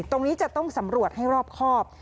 ตรงนี้จะต้องสำรวจให้รอบครอบ